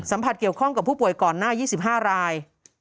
เกี่ยวข้องกับผู้ป่วยก่อนหน้า๒๕ราย